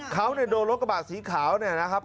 เขาโดนรถกระบะสีขาวนี่นะครับ